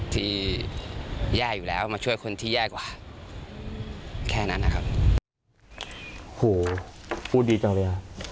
ที่แย่อยู่แล้วมาช่วยคนที่แย่กว่าแค่นั้นนะครับโหพูดดีจังเลยครับ